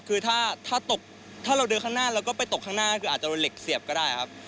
คือถ้าตกถ้าเราเดินข้างหน้าเราก็ไปตกข้างหน้าคืออาจจะโดนเหล็กเสียบก็ได้ครับ